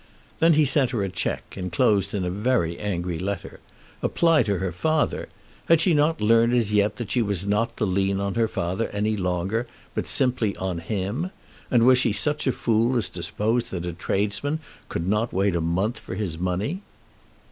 Then he sent her a cheque, enclosed in a very angry letter. Apply to her father! Had she not learned as yet that she was not to lean on her father any longer, but simply on him? And was she such a fool as to suppose that a tradesman could not wait a month for his money?